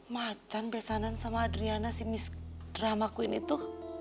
macan besanan sama adriana si miss drama queen itu